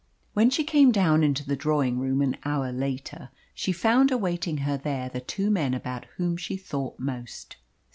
When she came down into the drawing room, an hour later, she found awaiting her there the two men about whom she thought most.